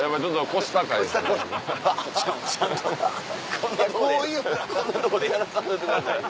こんなとこでこんなとこでやらさんといてください。